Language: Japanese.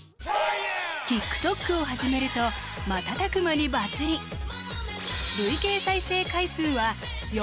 ＴｉｋＴｏｋを始めると瞬く間にバズり超え！